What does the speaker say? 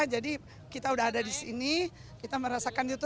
jadi kita sudah ada di sini kita merasakan itu